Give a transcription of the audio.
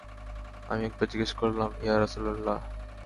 আমি একবার জিজ্ঞেস করলাম, ইয়া রাসূলাল্লাহ!